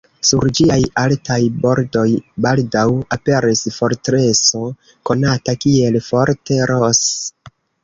Sur ĝiaj altaj bordoj baldaŭ aperis fortreso konata kiel Fort Ross.